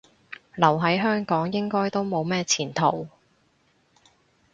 留喺香港應該都冇咩前途